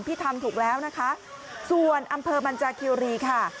ที่ทำถูกแล้วนะคะส่วนอำเภอมันจากคิวรีค่ะ